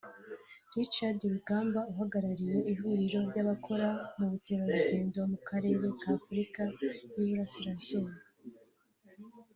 Richard Rugumbana uhagarariye ihuriro ry’abakora mu bukerarugendo mu Karere k’Afurika y’i Burasirazuba